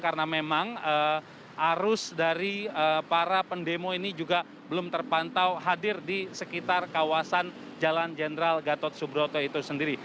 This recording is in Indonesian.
karena memang arus dari para pendemo ini juga belum terpantau hadir di sekitar kawasan jalan jenderal gatot subroto itu sendiri